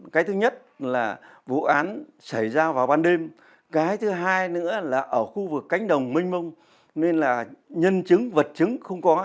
cái thứ nhất là vụ án xảy ra vào ban đêm cái thứ hai nữa là ở khu vực cánh đồng minh mông nên là nhân chứng vật chứng không có